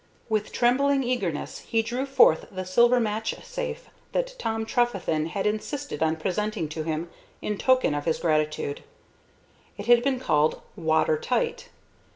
With trembling eagerness he drew forth the silver match safe that Tom Trefethen had insisted on presenting to him in token of his gratitude. It had been called water tight.